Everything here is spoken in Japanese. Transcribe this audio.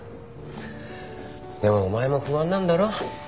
でもお前も不安なんだろ？